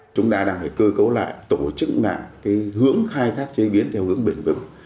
chúng ta đang phải cơ cấu lại tổ chức lại hướng khai thác chế biến theo hướng bền vững